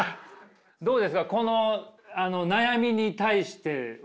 どうですかこの悩みに対しては。